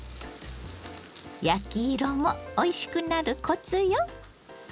焼き色もおいしくなるコツよ。